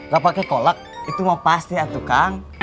ga pake kolak itu mau pas ya tukang